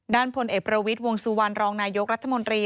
ด้านพลเอกประวิดวงสุวรรณรองนายกรัฐมนตรี